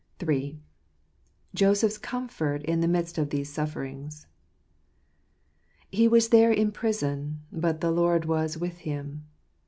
III. Joseph's Comfort in the Midst of these Suf ferings. — 41 He was there in the prison ; but the Lord was with him."